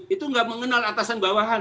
itu nggak mengenal atasan bawahan